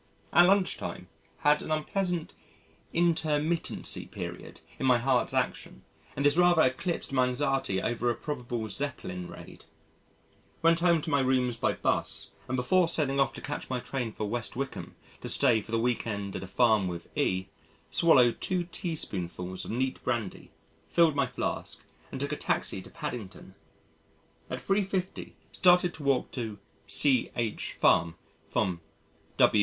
At lunch time, had an unpleasant intermittency period in my heart's action and this rather eclipsed my anxiety over a probable Zeppelin Raid. Went home to my rooms by 'bus, and before setting off to catch my train for West Wycombe to stay for the week end at a Farm with E swallowed two teaspoonfuls of neat brandy, filled my flask, and took a taxi to Paddington. At 3.50 started to walk to C H Farm from W.